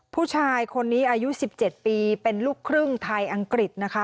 ผู้ชายคนนี้อายุ๑๗ปีเป็นลูกครึ่งไทยอังกฤษนะคะ